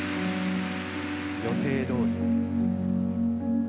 予定どおり。